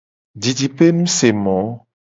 Didipenusemo.